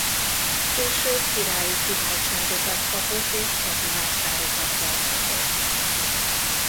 Később királyi kiváltságokat kapott és hetivásárokat tarthatott.